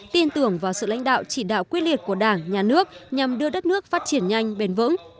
tin tưởng vào sự lãnh đạo chỉ đạo quyết liệt của đảng nhà nước nhằm đưa đất nước phát triển nhanh bền vững